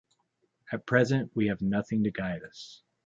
At present we have nothing to guide us.